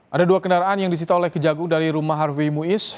ada dua kendaraan yang disita oleh kejagung dari rumah harvey muiz